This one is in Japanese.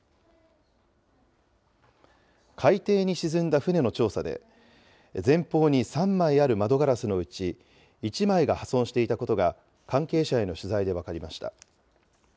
海底に沈んだ船の調査で、前方に３枚ある窓ガラスのうち、１枚が破損していたことが関係者への取材で分かりました。